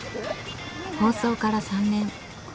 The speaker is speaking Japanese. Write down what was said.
放送から３年。